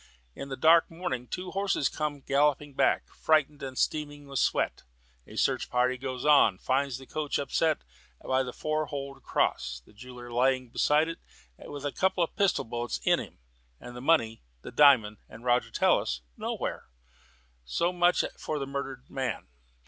In the dark morning two horses come galloping back, frightened and streaming with sweat. A search party goes out, finds the coach upset by the Four Holed Cross, the jeweller lying beside it with a couple of pistol bullets in him, and the money, the diamond, and Roger Tallis nowhere. So much for the murdered man.